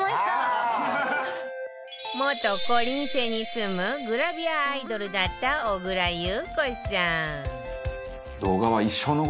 元こりん星に住むグラビアアイドルだった小倉優子さん